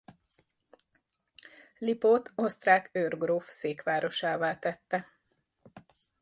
Lipót osztrák őrgróf székvárosává tette.